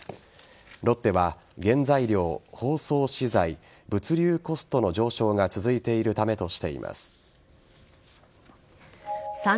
ロッテは原材料、包装資材物流コストの上昇が続いているためとしています。